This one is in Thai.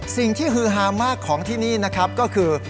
สิ่งที่ฮือหามากของที่นี่นะครับก็คือ